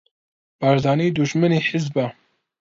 بارزانی دوژمنی حیزبە